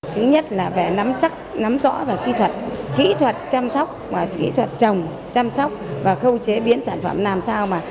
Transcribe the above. thứ nhất là về nắm chắc nắm rõ và kỹ thuật kỹ thuật chăm sóc và kỹ thuật trồng chăm sóc và khâu chế biến sản phẩm làm sao